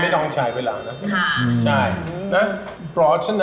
มันให้พัฒน์